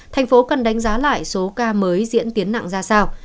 thành phố cần đánh giá lại số ca mới diễn tiến nặng ra sao